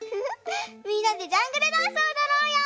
みんなでジャングルダンスをおどろうよ！